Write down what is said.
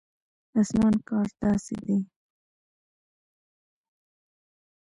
د اسمان کار داسې دی.